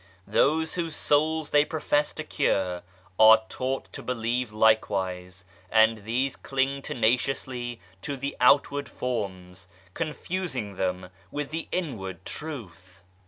Those whose souls they profess to cure are taught to believe likewise, and these cling tenaciously to the outward forms, confusing them with the inward Truth.